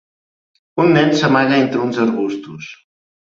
Un nen s'amaga entre uns arbustos.